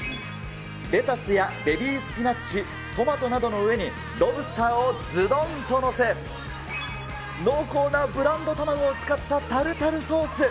レタスやベビースピナッチ、トマトなどの上にロブスターをずどんと載せ、濃厚なブランド卵を使ったタルタルソース。